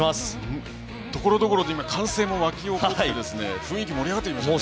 ところどころで歓声も湧き起こって雰囲気が盛り上がってきましたね。